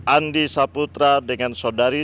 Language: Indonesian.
andi saputra dengan saudari